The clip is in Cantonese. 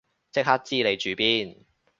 即刻知你住邊